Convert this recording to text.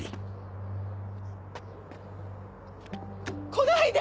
来ないで！